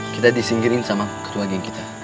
kita disingkirin sama ketua geng kita